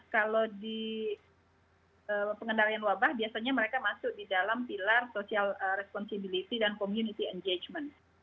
kalau di pengendalian wabah biasanya mereka masuk di dalam pilar social responsibility dan community engagement